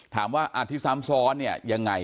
ถามว่าอาธิซ้ำซ้อนเนี่ยยังไง